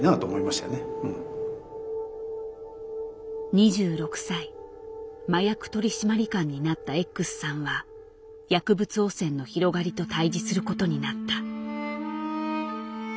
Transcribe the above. ２６歳麻薬取締官になったＸさんは薬物汚染の広がりと対峙することになった。